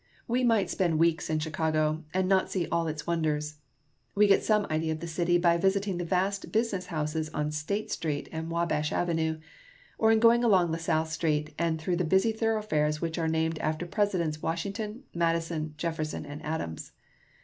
We might spend weeks in Chicago and not see all its wonders. We get some idea of the city by visiting the vast business houses on State Street and Wabash Avenue, or in going along La Salle Street and through the busy thoroughfares which were named after Presidents Washington, Madison, Jefferson, and Adams.